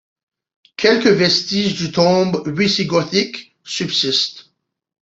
Quelques vestiges de tombes wisigothiques subsistent.